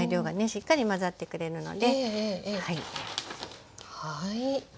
しっかり混ざってくれるのではい。